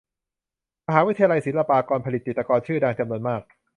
มหาวิทยาลัยศิลปากร ผลิตจิตรกรชื่อดังจำนวนมาก